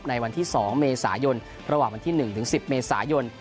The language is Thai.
ในวันที่๒เมษายนระหว่างวันที่๑ถึง๑๐เมษายน